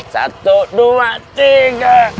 satu dua tiga